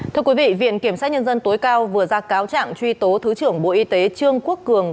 thưa quý vị viện kiểm sát nhân dân tối cao vừa ra cáo trạng truy tố thứ trưởng bộ y tế trương quốc cường